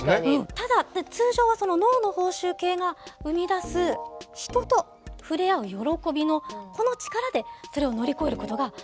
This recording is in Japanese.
ただ通常は脳の報酬系が生み出す人と触れ合う喜びのこの力でそれを乗り越えることができるんです。